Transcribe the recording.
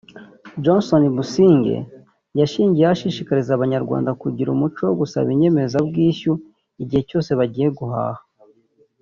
Johnson Busingye yashingiyeho ashishikariza Abanyarwanda kugira umuco wo gusaba inyemezabwishyu igihe cyose bagiye guhaha